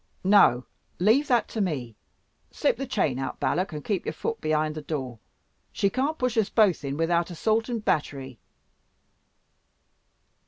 "No; leave that to me. Slip the chain out, Balak: and keep your foot behind the door. She can't push us both in without assault and battery."